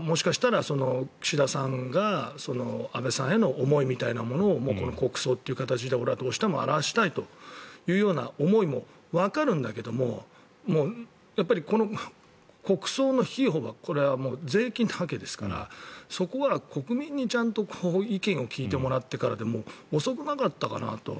もしかしたら、岸田さんが安倍さんへの思いみたいなものをもうこの国葬という形で俺はどうしても表したいという思いもわかるんだけどもこの国葬の費用はこれは税金なわけですからそこは国民に意見を聞いてもらってからでも遅くなかったかなと。